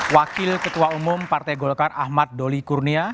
wakil ketua umum partai golkar ahmad doli kurnia